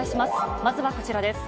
まずはこちらです。